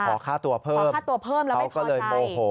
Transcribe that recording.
ขอค่าตัวเพิ่มขอค่าตัวเพิ่มแล้วเขาก็เลยโมโห